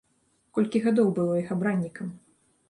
Колькі гадоў было іх абраннікам?